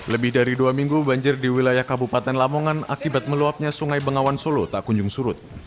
lebih dari dua minggu banjir di wilayah kabupaten lamongan akibat meluapnya sungai bengawan solo tak kunjung surut